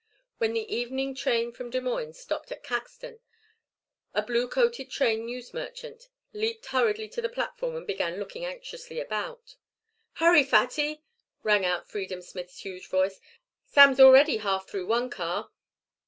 When the evening train from Des Moines stopped at Caxton, a blue coated train news merchant leaped hurriedly to the platform and began looking anxiously about. "Hurry, Fatty," rang out Freedom Smith's huge voice, "Sam's already half through one car."